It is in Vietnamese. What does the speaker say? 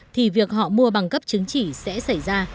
thì việc họ mua bằng cấp chứng chỉ sẽ xảy ra